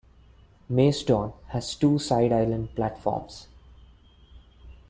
Macedon has two side island platforms.